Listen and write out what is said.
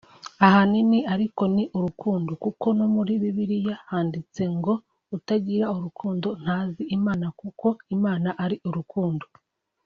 ahanini ariko ni urukundo kuko no muri Bibiliya handitse ngo ’utagira urukundo ntazi Imana kuko Imana ari urukundo’